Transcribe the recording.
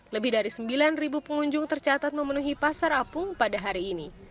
lebih dari sembilan pengunjung tercatat memenuhi pasar apung pada hari ini